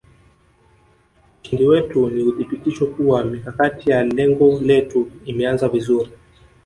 Ushindi wetu ni uthibitisho kuwa mikakati ya lengo letu imeanza vizuri